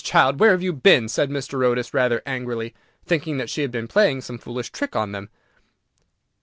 child, where have you been?" said Mr. Otis, rather angrily, thinking that she had been playing some foolish trick on them.